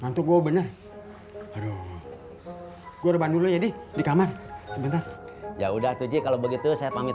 nantuk gobener aduh gua bandul jadi dikamar sebentar ya udah tuji kalau begitu saya pamit